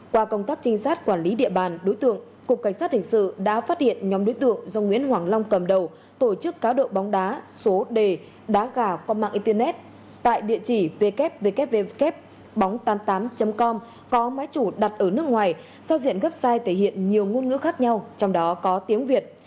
qua công tác trinh sát quản lý địa bàn đối tượng cục cảnh sát hình sự đã phát hiện nhóm đối tượng do nguyễn hoàng long cầm đầu tổ chức cáo độ bóng đá số d đá gà có mạng internet tại địa chỉ www bóng tám mươi tám com có máy chủ đặt ở nước ngoài sau diện gấp sai thể hiện nhiều ngôn ngữ khác nhau trong đó có tiếng việt